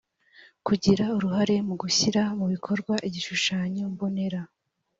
kugira uruhare mu gushyira mu bikorwa igishushanyo mbonera